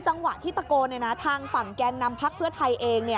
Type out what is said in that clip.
จังหวะที่ตะโกนทางฝั่งแกนนำพักเพื่อไทยเอง